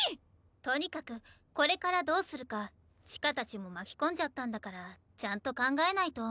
とにかくこれからどうするか千歌たちも巻き込んじゃったんだからちゃんと考えないと。